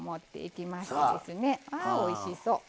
あおいしそう！